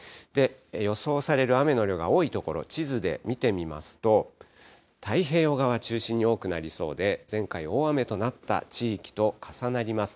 予想される雨の量が多い所、地図で見てみますと、太平洋側中心に多くなりそうで、前回大雨となった地域と重なります。